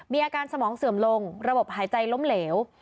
มีอาการสมองเสื่อมลงระบบหายใจล้มเหลว